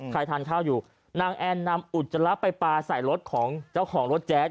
ทานข้าวอยู่นางแอนนำอุจจาระไปปลาใส่รถของเจ้าของรถแจ๊ด